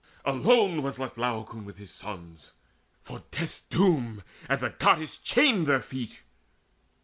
Alone was left Laocoon with his sons, For death's doom and the Goddess chained their feet.